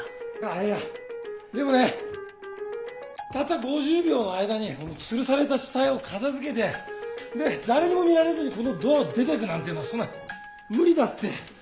あぁいやでもねたった５０秒の間にこの吊るされた死体を片付けてで誰にも見られずにこのドアを出てくなんていうのはそんな無理だって！